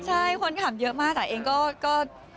ใช่คนถามเยอะมากแต่เองก็